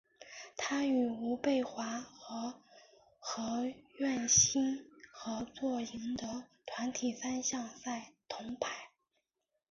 他与吴蓓华和何苑欣合作赢得团体三项赛铜牌。